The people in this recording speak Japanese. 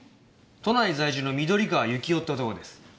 都内在住の緑川幸雄って男です。